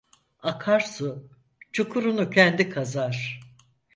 Akarsu çukurunu kendi kazar.